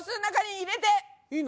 いいの？